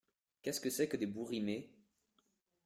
Qu’est-ce que c’est que des bouts-rimés ?